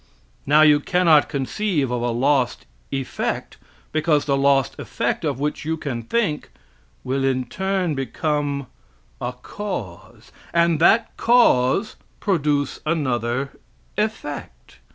Now you cannot conceive of a lost effect, because the lost effect of which you can think, will in turn become a cause and that cause produce another effect.